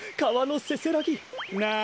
なあ！